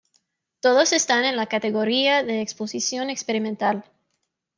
Todos están en la categoría de exposición experimental.